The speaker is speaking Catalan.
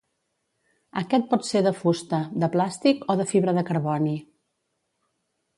Aquest pot ser de fusta, de plàstic o de fibra de carboni.